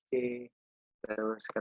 terus ketemu di sma